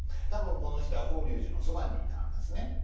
多分この人は法隆寺のそばにいたんですね。